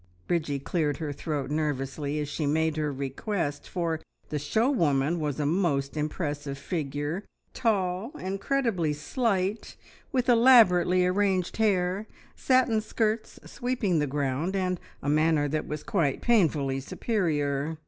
Bridgie cleared her throat nervously as she made her request, for the show woman was a most impressive figure, tall, incredibly slight, with elaborately arranged hair, satin skirts sweeping the ground, and a manner that was quite painfully superior.